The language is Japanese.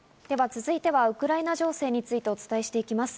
続いてはウクライナ情勢についてお伝えしていきます。